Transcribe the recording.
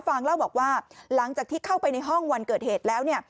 เล่าบอกว่าหลังจากที่เข้าไปในห้องวันเกิดเหตุแล้วเนี่ย